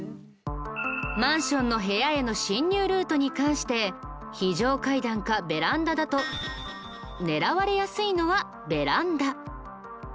マンションの部屋への侵入ルートに関して非常階段かベランダだと狙われやすいのはベランダ。